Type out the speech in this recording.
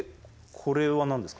これは何ですか？